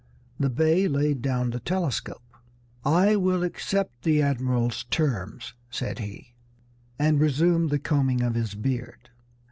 The Bey laid down the telescope. "I will accept the admiral's terms," said he, and resumed the combing of his beard.